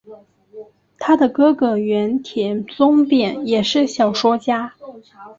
她的哥哥原田宗典也是小说家。